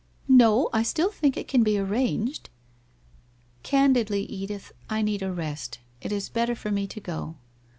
' Xo, I still think it could be arranged/ ' Candidly, Edith, I need a rest. It is better for me to go.'